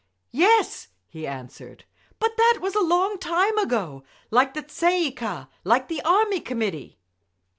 "Yes," he answered, "but that was a long time ago—like the Tsay ee kah—like the Army Committee."